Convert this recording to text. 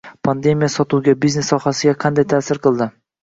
pandemiya sotuvga, biznes sohasiga qanday taʼsir qildi